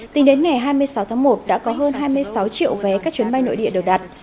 tính đến ngày hai mươi sáu tháng một đã có hơn hai mươi sáu triệu vé các chuyến bay nội địa đều đặt